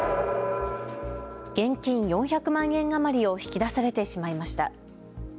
現金４００万円余りを引き出されてしまいました。